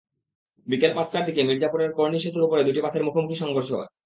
বিকেল পাঁচটার দিকে মির্জাপুরের কর্ণী সেতুর ওপরে দুটি বাসের মুখোমুখি সংঘর্ষ হয়।